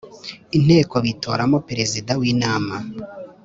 Inteko bitoramo Perezida w inama